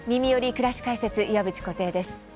くらし解説」岩渕梢です。